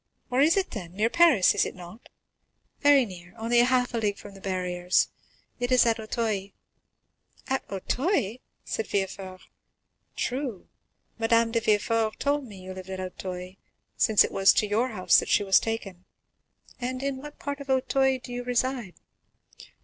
"Where is it, then? Near Paris, is it not?" "Very near, only half a league from the Barriers,—it is at Auteuil." "At Auteuil?" said Villefort; "true, Madame de Villefort told me you lived at Auteuil, since it was to your house that she was taken. And in what part of Auteuil do you reside?"